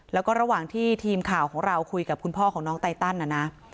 แล้วก็ระหว่างที่ทีมข่าวของเราคุยกับคุณพ่อของน้องไตตันนะนะ